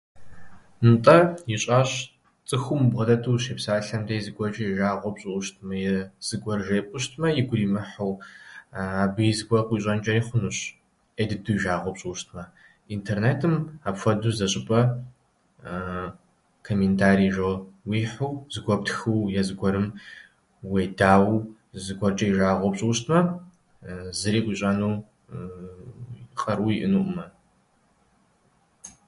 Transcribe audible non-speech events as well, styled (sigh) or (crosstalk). Нтӏэ, ищӏащ. Цӏыхум убгъэдэту ущепсалъэм дей зыгуэрчӏэ и жагъуэ пщӏыуэ щытмэ е зыгуэр жепӏэу щытмэ игу иримыхьу, (hesitation) абыи зыгуэр къуищӏэнчӏэри хъунущ, ӏей дыдэу и жагъуэ пщӏыуэ щытмэ. Интернетым апхуэдэу зы щӏыпӏэ (hesitation) комментарий жоуэ уихьэу зыгуэр птхыуэ е зыгуэрым уедауэу зыгуэрк1э и жагъуэ пщӏыуэ щытмэ, зыри къуищӏэну (hesitation) къару иӏэнукъымэ.